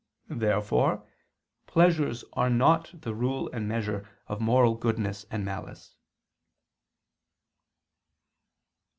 Therefore pleasures are not the rule and measure of moral goodness and malice.